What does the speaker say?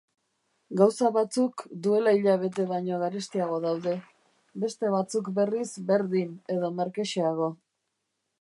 Gauza batzuk duela hilabete baino garestiago daude; beste batzuk, berriz, berdin, edo merkexeago.